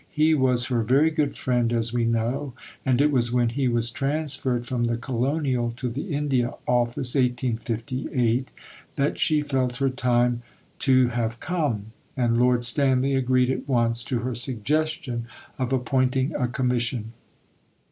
He was her very good friend, as we know; and it was when he was transferred from the Colonial to the India Office (1858) that she felt her time to have come. And Lord Stanley agreed at once to her suggestion of appointing a Commission.